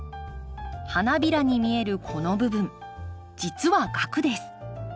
花びらに見えるこの部分実は萼です。